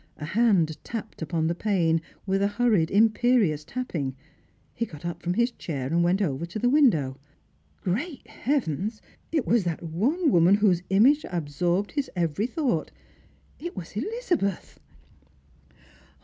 A hand tapped upon the pane, with a hurried imperious tapping. He got up from his chair, and went over to the window. Great Heaven ! it was that one woman whose image absorbed his every thought ; it was Elizabeth